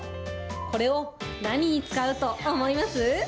これを何に使うと思います？